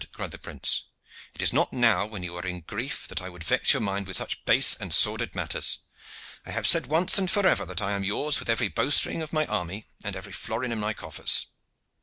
cried the prince. "It is not now when you are in grief that I would vex your mind with such base and sordid matters. I have said once and forever that I am yours with every bow string of my army and every florin in my coffers."